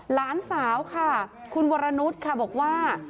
หลานสาวค่ะคุณวรนุษย์ค่ะบอกว่า